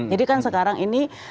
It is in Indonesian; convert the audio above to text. jadi kan sekarang ini